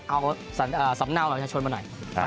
เอาสำเนาหน่อยชนมาหน่อย